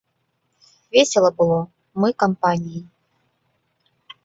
Весела было, мы кампаніяй.